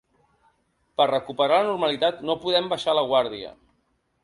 Per recuperar la normalitat no podem baixar la guàrdia.